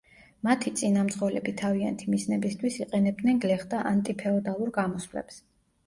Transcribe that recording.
მათი წინამძღოლები თავიანთი მიზნებისთვის იყენებდნენ გლეხთა ანტიფეოდალურ გამოსვლებს.